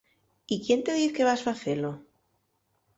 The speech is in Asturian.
¿Y quién te diz que vas facelo?